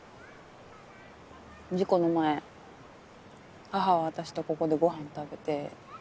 事故の前母は私とここでご飯食べて。